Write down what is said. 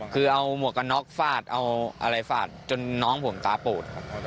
คือเอาหมวกกันน็อกฟาดเอาอะไรฟาดจนน้องผมตาปูดครับ